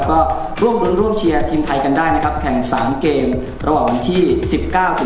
ก็ร่วมร่วมเชียร์ทีมไทยกันได้นะครับแข่ง๓เกมระหว่างวันที่๑๙๒๓กรกฎาคมนี้